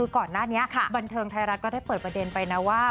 ก่อนหน้านี้บันเทิงไทยรัฐก็ได้เปิดประเด็นไปนะว่า